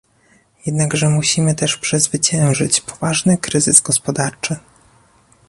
Jednakże musimy też przezwyciężyć poważny kryzys gospodarczy